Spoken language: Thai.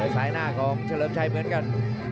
สายหน้าของเฉลิมชัยเหมือนกัน